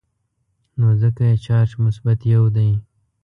نو ځکه یې چارج مثبت یو دی.